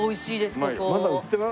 ここ。